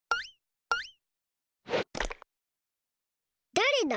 だれだ？